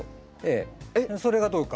えっそれがどうか？